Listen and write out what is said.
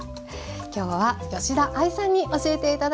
今日は吉田愛さんに教えて頂きました。